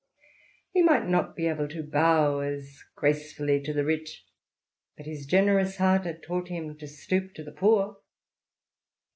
He might not be K' bow as gracefully to the rich, but his generous had taught him to stoop to the poor.